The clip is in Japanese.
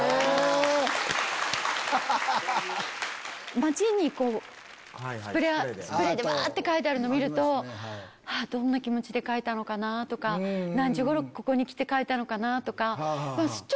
街にスプレーでわ！って書いてあるの見るとどんな気持ちで書いたのかな？とか何時頃ここに来て書いたのかな？とか。